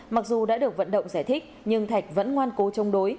mặc dù đã được vận động giải thích nhưng thạch vẫn ngoan cố chống đối